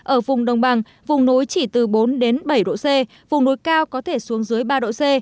ở vùng đồng bằng vùng núi chỉ từ bốn bảy độ c vùng núi cao có thể xuống dưới ba độ c